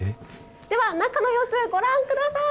では、中の様子、ご覧ください！